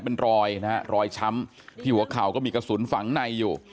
เป็นรอยนะฮะรอยช้ำที่หัวเข่าก็มีกระสุนฝังในอยู่